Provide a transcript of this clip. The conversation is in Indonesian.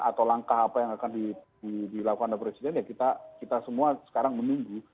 atau langkah apa yang akan dilakukan oleh presiden ya kita semua sekarang menunggu